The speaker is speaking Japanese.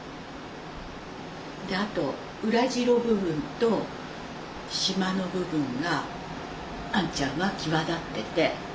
あと裏白部分としまの部分があんちゃんは際立ってて。